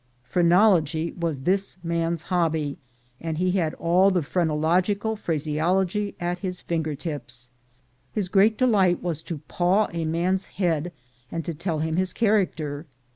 Phrenology was this man's hobby, and he had all the phrenological phraseology at his finger ends. His MINERS' LAW 161 great delight was to paw a man's head and to tell him his character.